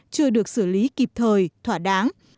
chưa được xử lý kịp thời thỏa đáng